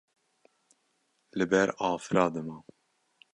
li ber afira dimam